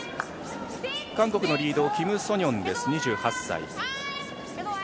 韓国のリード、キム・ソニョン２８歳。